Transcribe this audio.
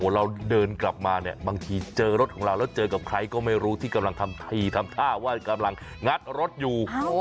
เราเดินกลับมาเนี่ยบางทีเจอรถของเราแล้วเจอกับใครก็ไม่รู้ที่กำลังทำทีทำท่าว่ากำลังงัดรถอยู่